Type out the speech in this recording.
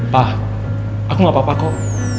pak aku gak apa apa kok